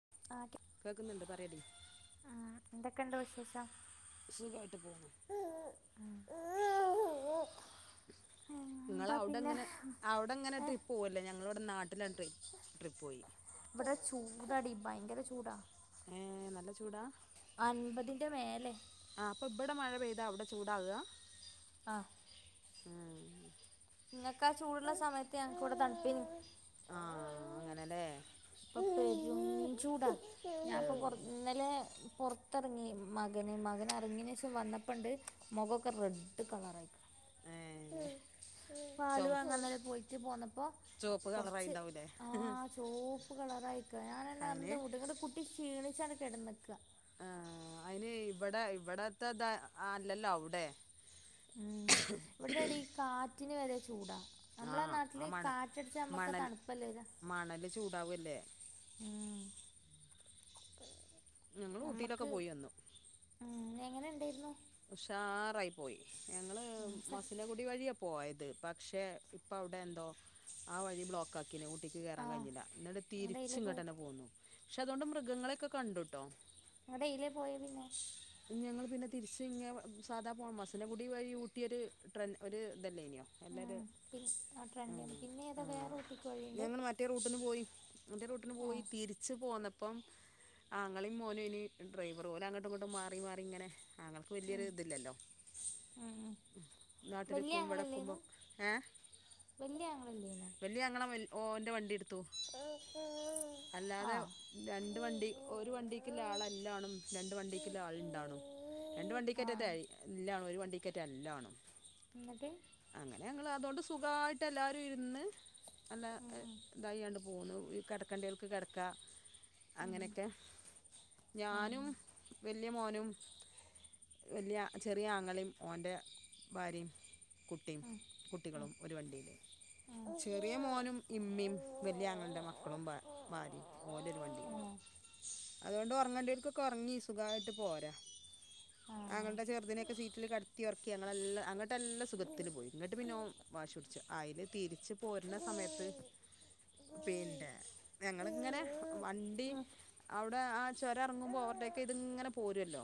[unintelligible] കേക്കുന്നുണ്ട് പറയടി ആ എന്തൊക്കെയുണ്ട് വിശേഷം സുഖായിട്ട് പോണു നിങ്ങള് എന്താ പിന്നെ അവിടങ്ങനെ അവിടങ്ങനെ ഏ ട്രിപ്പ് പോവല്ലേ ഞങ്ങളിവിടെ നാട്ടിലാണ് ട്രിപ്പ് പോയി ഇവിടെ ചൂടാടി ഭയങ്കര ചൂടാ ഏ നല്ല ചൂടാ അൻപതിന്റെ മേലെ ആ അപ്പൊ ഇബ്ടെ മഴ പെയ്താ അവിടെ ചൂടവ്കാ ആ [inaudible] ങ്ങ്ക്കാ ചൂടുള്ള സമയത്ത് ഞങ്ങക്കിവിടെ തണുപ്പൈനു ആ അങ്ങനെല്ലേ പ്പ പ്പേയ് [unintelligible] ചൂടാ ഞാപ്പൊ ഉം കൊർ ഇന്നലെ പൊർത്തെറങ്ങി മകന് മകന് എറങ്ങിയന് ശേഷം വന്നപ്പോണ്ട് മൊഖൊക്കെ റെഡ് കളറായിക്ണ്‌ ഏ ഉം ചൊ പാലു വാങ്ങാന്നെലെ പോയി ഇച്ച് പോന്നപ് പ്പൊ ചുവപ്പ് കൊറച്ച് കളറായിണ്ടാവൂലേ ആ ചോപ്പ് പ് കളറായി ക്ക് ഞാന്നെനെ അയിന് അന്തം വിട്ടു ങ്‌ട്ട് കുട്ടി ക്ഷീണിച്ചാണ് കെടന്ന്ക്ക ആ അയ്ന് ഇവടെ ഇവടത്തെത് ആ ല്ലല്ലോ അവ്ടെ ഉം ഇവ്ടെ ടീ കാ റ്റിന് വരെ ചൂടാ ആ നമ്മളെ ആ നാട്ടില് മണ കാറ്റടിച്ച മ്മക്ക് മണൽ തണുപ്പല്ലേവരാ മണല് ചൂടാവല്ലേ ഉം [unintelligible] ഞങ്ങള് ഊട്ടിയിലൊക്കെ പോയി വന്നു ങ്ങെനെണ്ടായിരുന്നു ഉഷാറായി പോയി ഞങ്ങള് ഉം, സ- മസിന കുടി വഴിയാ പോയത് ത് പക്ഷെ ഇപ്പ അവിടെ എന്തോ ആ വഴി ബ്ലോക്കാ കിന് ഊട്ടിക്ക് ആ കേറാൻ കഴിഞ്ഞില ന്നിട് നിങ്ങളുടെ ഇതിലേ പോയ തിരിച്ച്ങ്ങട്ടന്നെ പോന്നു ക്ഷതോണ്ട് മൃഗങ്ങളെക്കെ കണ്ടുട്ടോ അതെയിലെ പോയെ പിന്നെ ഞങ്ങള് പിന്നെ തിരിച്ച് ഇങ്ങെവ സാധാ പോണം മസിന കുടി വഴി ഊട്ടിയൊരു ട്രെൻ ഒരു ഇതല്ലയിനോ എല്ലാര് ഉം, പിൻ- ആ ട്രെൻഡ് പിന്നെ ഏതാ ആആ വേറെ ഊട്ടിക്ക് വഴിയുണ്ട് ഞങ്ങള് മറ്റേ റൂട്ടിന് പോയി മറ്റേ റൂട്ടിന് ആ പോയി തിരിച്ച്പോന്നപ് പ്പം ആങ്ങളേം മോനു ഇനി ഡ്രൈവർ ഓല് അങ്ങട്ടും ഇങ്ങട്ടും മാ റി മാറിങ്ങനെ ആങ്ങൾക്ക് ഉം, വലിയൊരു തില്ലല്ലോ ഉം, ഉം. വലിയ നാട്ടില്ക്കും ഇവടെക്കുമ്പോ ആങ്ങളല്ലേന്നു ഏ വലിയ ആങ്ങളല്ലേന്നു വലിയ ആങ്ങള മിൽ ഓന്റെ വണ്ടിട് ത്തു ആ അല്ലാതെ രണ്ടു വണ്ടി ഒരു വണ്ടിക്ക്ല്ല ആളല്ലാണം രണ്ടു വണ്ടിക്ക്ൽ ണ്ടാണ് രണ്ടു ആ ആ വണ്ടിക്കറ്ററ്റായി ഇല്ല ഒരു വണ്ടിക്കറ്റല്ലാണ് എന്നിട്ട് അങ്ങനെ ഞങ്ങൾ അതോണ്ട് സ്‌ സുഖമായിട്ട് എല്ലാവരും ഇരുന്ന് നല്ല ഉം ഡ്രെ യാണ്ടു പോന്നു. ഈ കിടക്കണ്ടികൾക്ക് കിടക്ക ഉം അങ്ങനെയൊക്കെ ഉം ഞാനും ഉം വല്യ മോനും, വല്യ ചെറിയ ആങ്ങളയും, ഓന്റെ ഭാര്യയും. കുട്ടിം, ഉം കുട്ടികളും, ഒരു വണ്ടില് ഉം ചെറിയ ഉം മോനും, ഇമ്മീം, വലിയ അങ്ങളയുടെ മക്കളും, ഭാര്യയും ഓരൊരു വണ്ടിയിലും, അതുകൊണ്ട് ഉറങ്ങേണ്ടി ഇപ്പ കൊറഞ്ഞ് സ് സുഖമായിട്ട് പോരാ ആ ഞങ്ങളുടെ ചെറുതിനെയൊക്കെ സീറ്റിൽ കടത്തി ഉറക്കി ഞങ്ങളെല്ലാം അങ്ങോട്ടല്ലാ സുഖത്തില് പോയി ഇങ്ങോട്ട് പിന്നെ ഓൻ വാശി പിടിച്ചു അതിൽ തിരിച്ച് പോരുന്ന ഉം സമയത്ത് പിന്നെ ഞങ്ങളിങ്ങനെ വണ്ടി അവിടെ ആ ചൊരം ഇറങ്ങുമ്പോൾ ഓവർടേക്ക് പ്പ് ഇതിങ്ങനെ പോരുവല്ലോ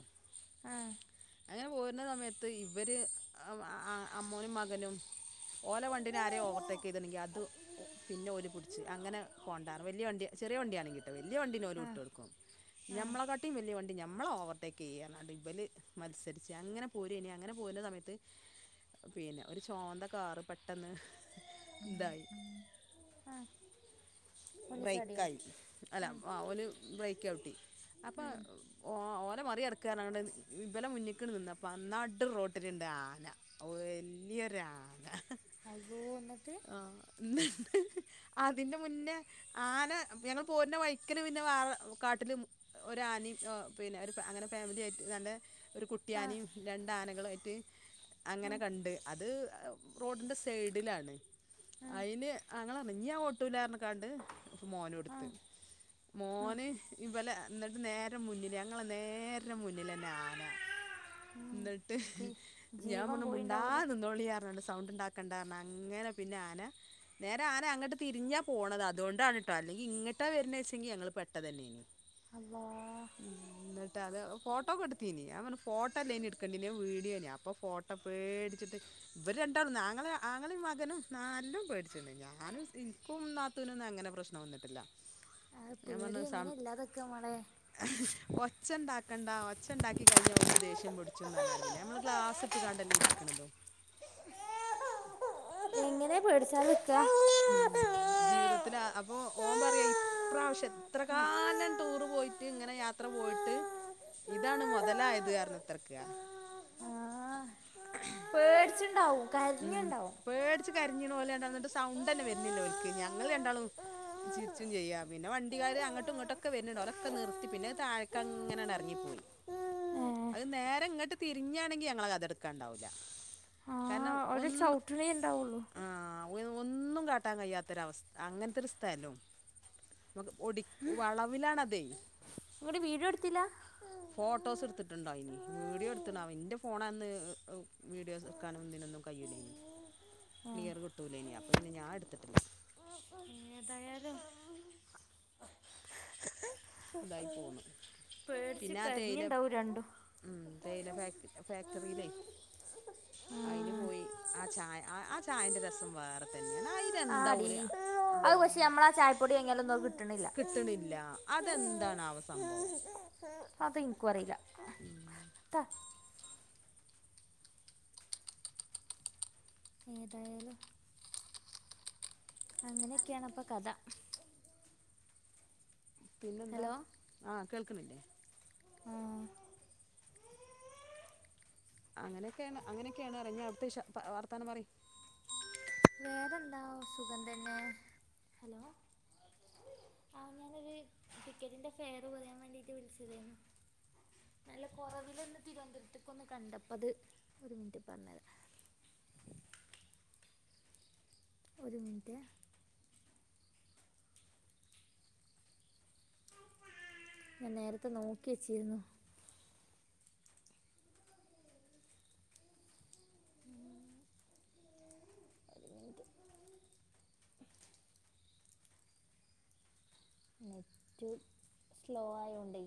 ആ അങ്ങനെ പോരുന്ന സമയത്ത് ഇവര് വ് അ അമ്മനും മകനും ഓല വണ്ടീനെ ആരേം ഓവർടേക്ക് ചെയ്തില്ലങ്കിൽ അത് പിന്നെ ഒരു കൊച്ച് അങ്ങനെ പോണ്ടാര് വലിയ വണ്ടിയ ചെറിയ വണ്ടിയാണെങ്കിട്ടത് വലിയ വണ്ടീനെ ഓര് ആ വിട്ട് കൊടുക്കും ആ ഞമ്മളെക്കാട്ടി വലിയ വണ്ടി ത് ഞമ്മളെ ഓവർടേക്ക് ചെയ്യ [unintelligible] ഇവര് മത്സരിച്ച് അങ്ങനെ പോരാ ഇനി അങ്ങനെ പോരുന്ന സമയത്ത് പിന്നെ ഒരു ചുവന്ന കാറ് പെട്ടെന്ന് ഇതായി ങഅ ബ്രേക്കായി അല്ല ആ ഓന് ബ്രേക്ക് ചവിട്ടി അപ്പോ ഒ ഓനെ മറി [unintelligible] കയറാനാട്ട് നിഇബലെ മുന്നിക്ക് ണ് നിന്നപ്പോ നടുറോഡിലുണ്ട് ആന വലിയൊരു ആന അവ്വോ എന്നിട്ട് [unintelligible] അതിന്റെ മുന്നേ ആന ഞങ്ങൾ പോരുന്ന വഴിക്കല് പിന്നെ വാറ കാട്ടില് ഒരു ആനയും ങ പിന്നെ ഒരു ഫാ അങ്ങനെ ഫാമിലി ആയിട്ട് ദാണ്ടെ ഒരു ആ, കുട്ടിയാനയും രണ്ട് ആനകളും ആയി ടേ അങ്ങനെ ഉം, കണ്ട് അത് റോഡിൻ്റെ സൈഡിലാണ് ഉം, അയിന് [unintelligible] ഇറങ്ങിയ [inaudible] [unintelligible] മോന് ആ, കൊടുത്ത് ഉം, മോന് ഇവല എന്നിട്ട് നേരെ മുന്നിൽ ഞങ്ങളെ നേരെ മുന്നിൽ തന്നെ ആന ഉം. എന്നിട്ട് ജീ- ഞാൻ ജീവൻ പറഞ്ഞ് മുണ്ടാ പോയിണ്ടാവൂല നിന്തോളിയാരനസ് സൗണ്ട് ഉണ്ടാക്കേണ്ട [unintelligible] അങ്ങനെ പിന്നെ ആന നേരെ ആന അങ്ങോട്ട് തിരിഞ്ഞാ പോണത്, അതുകൊ ട്ടാണുട്ടോ അല്ലെങ്കി ഇങ്ങ്ട്ടാ വരുന്നേ വച്ചെങ്കി ഞങ്ങള് പെട്ടതന്നെയാണ് അല്ലാ ഉമ് എന്നിട്ട് അത് ഫോ ഫോട്ടോ കെടുത്തീനി ഞാൻ പറഞ്ഞു ഫോട്ടോനീയെടുക്കേണ്ടനി വീഡിയോനി അപ്പോൾ ഫോട്ടോ പേടിച്ചിട്ട് ഇവര് രണ്ടാളും ആങ്ങള് ആങ്ങളും മകനും നല്ലും പേടിച്ച്. [unintelligible] ഞാനും [inaudible] ന്നാ ത്തുനൊന്നും അങ്ങനെ പ്രശ്നം വന്നിട്ടില്ല ആ ഞാൻ പറഞ്ഞ പേടി എങ്ങനെ ഇല്ലാതൊക്കെ മോളെ ഒച്ച ഉണ്ടാക്കണ്ട ഒച്ച ഉണ്ടാക്കി കഴിഞ്ഞാ ഒരുക്ക് ദേഷ്യം പൊടിച്ചുന്ന് പറഞ്ഞാണ് പിന്നെ ഞമ്മൾ ഗ്ലാസ് ഇട്ട് കാണ്ടല്ലേ ഇരിക്കണത്. പേടിച്ചാലെ നിൽക്ക ഉം ജീവിതത്തി ല അപ്പൊ ഓ പറയാ ഇപ്രാവശ്യം എത്ര കാലം ടൂറ് പോയിട്ട് ഇങ്ങനെ യാത്ര പോയിട്ട് ഇതാണ് മുതലായത് [unintelligible] ഔ ഉം പേടിച്ച് കരിഞ്ഞ്ണോല എന്നിട്ട് സൗണ്ട് ന്നെ വര്നില്ല ഓല്ക് ഞങ്ങൾ രണ്ടാളും ചിരിച്ചും ചെയ്യ പിന്നെ വണ്ടിക്കാർ അങ്ങോട്ടും ഇങ്ങോട്ടു ക്കെ വരുന്നുണ്ട്. ഓരൊക്കെ നിർത്തി പിന്നെ തായേക്ക് അങ്ങനെയാണ്ട് എ റങ്ങിപ്പോയി ഏ അത് നേരെ ഇങ്ങോട്ട് തിരിഞ്ഞാണെങ്കിൽ ഞങ്ങളെ കഥ ഇട്ക്കാണ്ടാവൂല കാരണം അവര് ഒന്ന് ചൗട്ടണേ ഇണ്ടാവുള്ളു ആഹ് ഒന്നും കാട്ടാൻ കഴിയാത്തൊരവസ്ഥ അങ്ങൻതൊരു സ്ഥലോ നമക്ക് ഒടി വളവിലാണത് ന്നിട്ട് വീഡിയോഎടുത്തില്ല ണ്ടോനി വീഡിയോ എടുത്തുണാവോ എന്റെ ഫോണന്ന് വീഡിയോസ് എ ടുക്കാനൊന്നും കയ്യൂലേ നീ ക്ലിയർ കിട്ടൂല അപ്പൊ ഞാൻ എടുത്തിട്ടില്ല ഏതായാലും ഇതായി പോന്നു പേടിച്ച് പിന്നെ ആ തേയില കരിഞ്ഞുണ്ടാവും രണ്ടും ഉം തേയില ഫ ഫാക്ടറില്ലേ അയിൽ പോയി ആ ചായ ആ ചാ ചായൻന്റെ രസം വേറെ തന്നെയാ ആടി അത് പക്ഷേ മ്മളാ ചായപ്പൊടി മാങ്ങിയാൽ ഒന്നും കിട്ടണില്ല ഇതെന്താണ് ആ സംഭവം അത് ഇൻകും അറീല ത്ത ഏതായാലും അങ്ങനെയൊക്കെയാണ് അപ്പൊ കഥ പിന്നെന്താ ഹലോ ആ കേൾക്കണില്ലേ ആ അങ്ങനെയൊക്കെയാണ് അങ്ങനെയൊക്കെയാണ് ഞ്ഞാ അവിടുത്തെ വാർത്താനം പറി വേറെന്താ സുഗന്ധ തന്നെ ഹലോ ആ ഞാനൊരു ടിക്കറ്റിന്റെ ഫെയർ പറയാൻ വേണ്ടീട്ട് വിളിച്ചതരുന്നു നല്ല കൊറവില്ലന്ന് തിരുവനന്തപുരത്തേക്ക ഒന്ന് കണ്ടപ്പോ അത് ഒരു മിനിറ്റ് പറഞ്ഞത് ഒരു മിനിറ്റ് ഞാൻ നേരത്തെ നോക്കി വെച്ചീര്ന്നു ഒരു മിനിറ്റ് നെറ്റ് സ്ലോ ആയോണ്ട്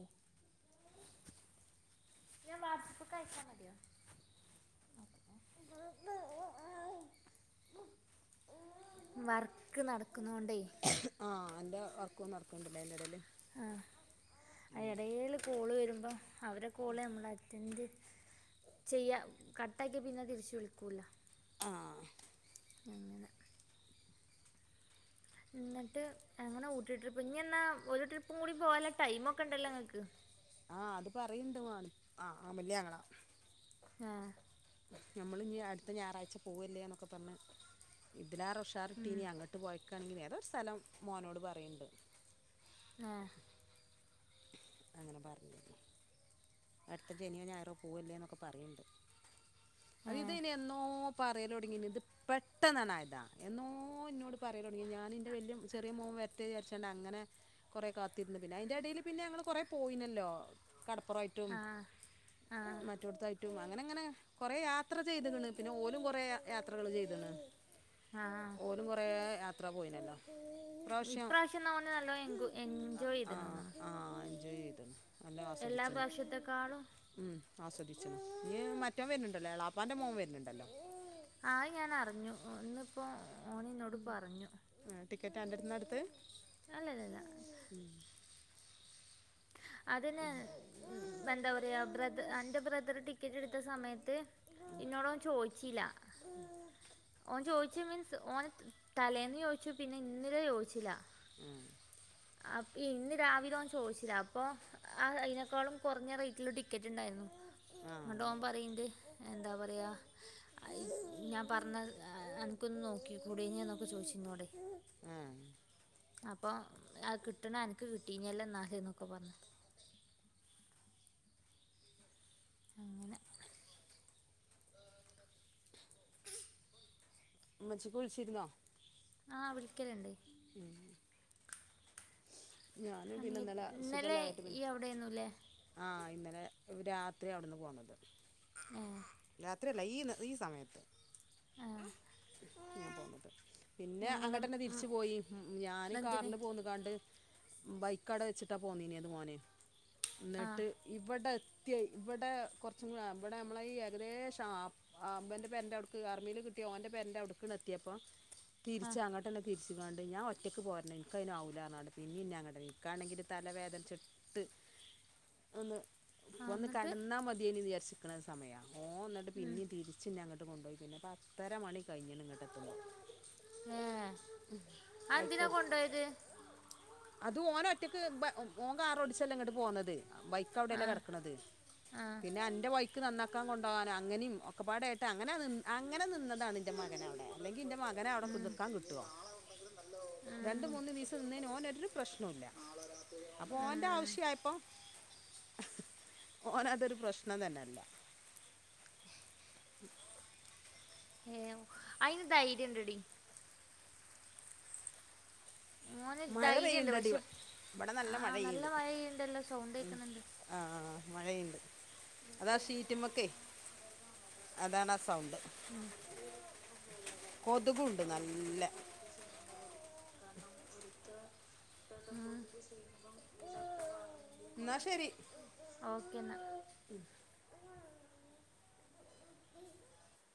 ഞാൻ വാട്സ്ആപ്പ് അയച്ചാൽ മതിയോ വർക്ക് നട നടക്കണോണ്ട് ആ അന്റെ വർക്കും നടക്കുന്നുണ്ടല്ലേ അതിന്റെ ഇടയില് അ എടേല് കോൾ വരുമ്പം അവരെ [unintelligible] ചെയ്യാ കട്ടാക്കിയ പിന്നെ തിരിച്ചു വിളിക്കൂല ആ അങ്ങനെ എന്നിട്ട് എങ്ങനെ ഊട്ടി ട്രിപ്പ് ഇനി എന്നാ ഒരു ട്രിപ്പും കൂടി പോവാല ടൈമ ഒക്കെ ഉണ്ടല്ലോ ങ്ങക്ക് ആ അത് പറയണ്ട് മാ ആ വല്യ ആ ങ്ങളാ ആഹ നമ്മള് ഞ്ഞ് അടുത്ത ഞായറാഴ്ച പോവല്ലേ ന്നൊക്കെ പറഞ്ഞ് ഇതിലേറെ ഉഷാർ ഉം, കിട്ടീനി അങ്ങട്ട് പോയക്കാണെങ്കിൽ ഏതോരു സ്ഥലം മോനോട് പറയണ്ട് ആ അങ്ങനെ പറഞ്ഞാരുന്നു അടുത്ത ശനിയോ ഞായറോ പോവല്ലേ എന്നൊക്കെ പറയ്ണ്ട് അത് ഏ, ഇത് ഇനി എന്നോ പറയാലൊടങ്ങീണ് ഇത് പെട്ടെന്നാണായതാ എന്നോ ഇന്നോട് പറയലൊടങ്ങീക്ക്‌ണ് ഞാനിൻ്റെ വലിയ ചെറിയ മോൻ വരട്ടേ വിചരിച്ചാണ്ട് അങ്ങനെ കുറേ കാത്തിരുന്നു പിന്നെ അയിൻ്റെ എടീല് പിന്നെ ഞങ്ങൾ കൊറെ പോയിനല്ലോ കടപ്പുറായിട്ടും ആ ആ മറ്റോട്ത്തായിട്ടും അങ്ങനെ അങ്ങനെ കൊറേ യാത്ര ചെയ്ത്ക്ക്ണ് പിന്നെ ഓലും കുറെേ യാത്രകള് ചെയ്ത്ണ് ആ ഓലും കുറേ യാത്ര പോയിനല്ലോ ഇപ്രാവശ്യം അവന് നല്ലോണം എൻജോയ് ആ ചെയ്തിട്ടുണ്ടെന്നാണ് ആ ജോയ് ചെയ്ത്ണ് നല്ലോം എല്ലാ ആസ്വദിച്ച്ണ് പ്രാവശ്യത്തെക്കാളും ഉം ആസ്വദിച്ച്ണ് ഞ്ഞി മറ്റോൻ വരുന്നുണ്ടല്ലേ ആഹ് അയ്ഞാൻ അറിഞ്ഞു ഒന്നിപ്പോ ആ ടിക്കറ്റ് അന്റെടുത്ത്ന്നാ എടുത്തേ? അല്ലല്ലല്ല അതിനെ എന്താ പ ബ്ര അന്റെ ബ്രദർ ടിക്കറ്റ് എടുത്ത സമയത്ത് ഇന്നോട ഓൻ ചോയിച്ചില്ല ഓൻ ചോയ്ച്ചു മീൻസ് ഓൻ തലേന്ന് ചോയ്ച്ചു പിന്നെ ഇന്നലെ ചോദിച്ചില്ല ഉം അപ്പൊ ഇന്ന് രാവിലെ ഓൻ ചോയ്ച്ചിലാ അപ്പൊ അ അയ്നേക്കാളും കുറഞ്ഞ റേറ്റിൽ ടിക്കറ്റ് ണ്ടായിനു ആഹ് ന്നട്ടോൻ പറയിണ്ട് എന്താ പറയുക ഞാൻ പറഞ്ഞത് അനക്കൊന്ന് നോക്കി കൂടായിനോ ന്നൊക്കെ ചോയ് ച്ചു ഇന്നോടെയ് ആഹ് അപ്പൊ ആ കിട്ടണ അനക്ക് കിട്ടീനല്ലോ ന്നാല്ന്നൊ ഒക്കെ പറഞ്ഞ് അങ്ങനെ മ്മച്ചിക്ക് വിളിച്ചിരുന്നോ? ആഹ് വിളിക്കല്ണ്ട്‌ ഉം ഞാന് ആ നീ പിന്നെ ഇന്നലെ സുഖല്ലാതായിട്ട് ഈ പിന്നെ അവിടെയൊന്നും ഇല്ലേ ആ ഇന്നലെ രാത്രി അവിടുന്ന് പോന്നത് ഏ രാത്രിയല്ല ഈ ഈ സമയത്ത് ആ ഞാൻ പോന്നത് പിന്നെ ഞങ്ങൾ അങ്ങട്ടന്നെ തിരിച്ച് പോയി ഞാൻ എന്തിന് കാറില് പോന്ന്കാണ്ട് ബൈക്കവടെ വെച്ചിട്ടാ പോന്നീനത് മോന് ആ ന്നട്ട് ഇവിടെ യ് ഇവിടെ കുറച്ചും കൂടെ ഇവിടെ നമ്മളെ ഏകദേശം അ ബന്റെ പേരന്റൗട്ക്ക് അവിടുക്ക് ആർമിയിൽ കിട്ടിയ ഓന്റെ ന്റെ പെരന്റെ അവ്ടുക്കണ് എത്തിയപ്പൊ ആ തിരിച്ച് അങ്ങട്ടന്നെ തിരിച്ചു ണ്ട് ഞാൻ ഒറ്റക്ക് പോരണം ഇൻക്കയ്ന് ആവൂല്ലാർഞ്ഞിക്കാണ്ട്‌ പിന്നീം ഞാനിങ്ങട്ടെന്നെ ഇൻക്കാണെങ്കിൽ തലവേദനച്ചിട്ട് ഒന്ന് ആ ഒന്ന് എന്നിട്ട് കടന്നാ മതിയെയ്നിന്ന് വിചാരിച് ക്ക്ണ ഒര് സമയാ ഓ എന്നിട്ട് ഉം. പിന്നീ തിരിച്ചി ഞങ്ങട്ട് പിന്നെ പത്തര മണി കഴിഞ്ഞന് ഇങ്ങോട്ട്ത്തുമ്പോ ഏ ആ എന്തിനാ ആയിക്കോട്ട കൊണ്ടുപോയത് അത് ഓന ഒറ്റക്ക് ബൈ ഓൻ കാറോടിച്ചല്ലേ ഇങ്ങട്ട് പോന്നത്. അ ബൈക്ക് ആ അവിടെയല്ലേ കെടക്കണത്, ആ പിന്നെ അന്റെ ബൈക്ക് നന്നാക്കാൻ കൊണ്ടോകാന അങ്ങനെയും ഒക് ഒക്കപ്പാടായിട്ട് അങ്ങനെ നിന് അങ്ങനെ നിന്ന എന്റെ മകന അവടെ, അല്ലെങ്കി എന്റെ മകനെ അവിടെ കുതുർക്കാൻ കിട്ടുവോ, രണ്ട് മൂന്ന് പീസ് നിന്നേന് ഓനൊരു പ്രശ്നോല്ല, അപ്പോ ഓന്റെ ഉം. ആവശ്യയപ്പോ ഓന അതൊരു പ്രശ്നം തന്നെല്ല. ഏ അയിന് ധൈര്യം ഇണ്ടടി. മോന് മഴ ധൈര്യം ഉണ്ട് പെയ്യുണ്ടടി പക്ഷെ ഇവ് ഇവടെ ആ നല്ല മഴ പെയ്യ്ണ്ട്, മഴ ഉണ്ടല്ലോ സൗണ്ട് മ് കേൾക്കുന്നുണ്ട് ആ ആ ആ മഴയിണ്ട്. അതാ ഷീറ്റ്മക്കെ അതാണ് ആ സൗണ്ട്. കൊതുകുണ്ട് നല്ല ആ എന്നാ ശരി. ഓക്കെ എന്നാ.